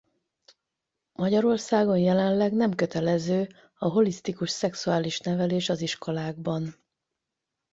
Magyarországon jelenleg nem kötelező a holisztikus szexuális nevelés az iskolákban.